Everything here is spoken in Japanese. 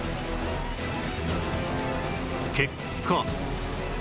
結果